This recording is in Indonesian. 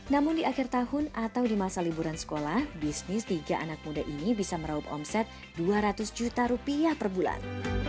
namun di akhir tahun atau di masa liburan sekolah bisnis tiga anak muda ini bisa meraup omset dua ratus juta rupiah per bulan